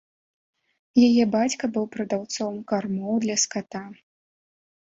Яе бацька быў прадаўцом кармоў для ската.